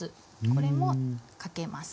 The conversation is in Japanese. これもかけます。